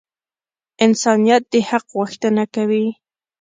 انسانیت د حق غوښتنه کوي.